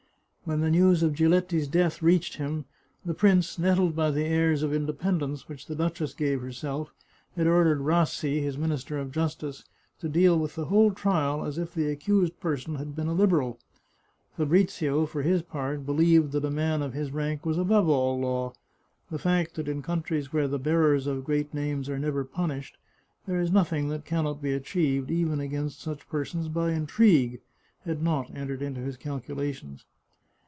When the news of Giletti's death reached him, the prince, nettled by the airs of independence which the duchess gave herself, had ordered Rassi, his Minister of Justice, to deal with the whole trial as if the accused person had been a Liberal. Fabrizio, for his part, believed that a man of his rank was above all law. The fact that in countries where the bearers of great names are never punished, there is nothing that can not be achieved, even against such persons, by intrigue, had not entered into his calculations.